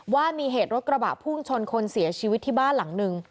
ว่ามีเหตุรถกระบะพุ่งชนคนเสียชีวิตที่บ้านหลังหนึ่ง